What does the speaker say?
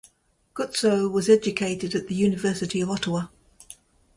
Guzzo was educated at the University of Ottawa.